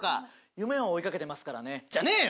「夢を追いかけてますからね」じゃねぇよ。